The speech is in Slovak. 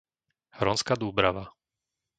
Hronská Dúbrava